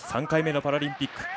３回目のパラリンピック。